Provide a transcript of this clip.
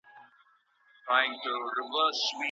ولي مدام هڅاند د هوښیار انسان په پرتله ښه ځلېږي؟